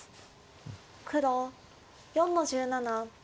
黒４の十七。